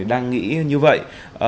đang nghĩ như vậy